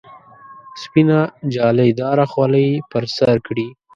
سپینه جالۍ داره خولۍ پر سر کړي.